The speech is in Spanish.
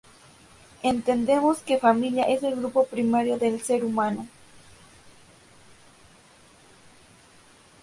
Entendemos que familia es el grupo primario del ser humano.